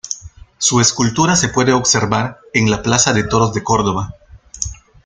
Su escultura se puede observar en la plaza de toros de Córdoba.